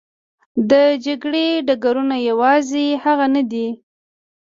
د جګړې ډګرونه یوازې هغه نه دي.